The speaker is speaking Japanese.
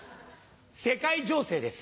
世界情勢です。